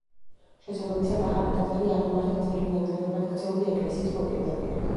შესაბამისად ახალი ტაძარი აღიმართა ძველი ნანგრევებად ქცეული ეკლესიის მოპირდაპირედ.